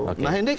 novel baswedan itu